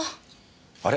あれ？